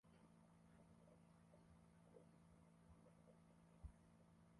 mtangazaji anaweza kubadilisha muunda kwa kila kipengele cha kipindi